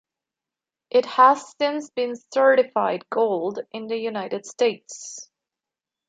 It has since been certified Gold in the United States.